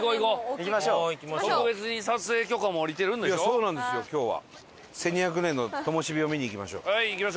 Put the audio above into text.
いやそうなんですよ今日は。